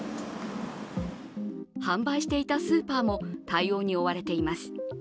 販売していたスーパーも対応に追われています。